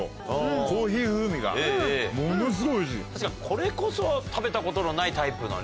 これこそ食べたことのないタイプの。